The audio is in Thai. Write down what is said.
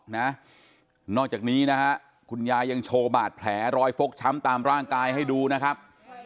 นอกจากนี้นะฮะคุณยายยังโชว์บาดแผลรอยฟกช้ำตามร่างกายให้ดูนะครับ